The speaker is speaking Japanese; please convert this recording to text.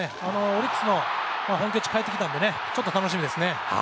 オリックスの本拠地帰ってきたのでちょっと楽しみですね。